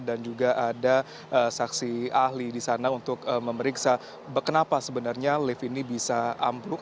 dan juga ada saksi ahli di sana untuk memeriksa kenapa sebenarnya lift ini bisa ambruk